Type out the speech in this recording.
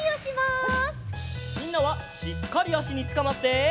みんなはしっかりあしにつかまって！